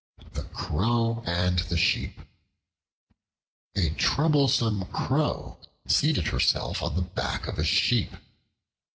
The Crow and the Sheep A TROUBLESOME CROW seated herself on the back of a Sheep.